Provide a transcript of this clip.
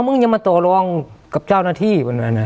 อ๋อมึงยังมาตัวร้องกับเจ้าหน้าที่อ๋อ